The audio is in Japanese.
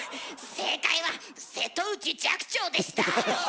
正解は瀬戸内寂聴でした。